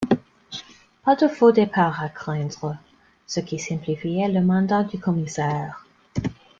Pas de faux départ à craindre, ce qui simplifiait le mandat du commissaire.